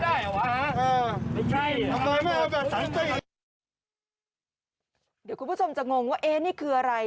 เดี๋ยวคุณผู้ชมจะงงว่านี่คืออะไร